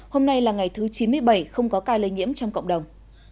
hôm nay là ngày thứ chín mươi bảy không có ca lây nhiễm trong cộng đồng